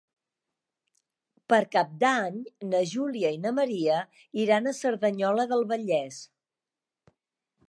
Per Cap d'Any na Júlia i na Maria iran a Cerdanyola del Vallès.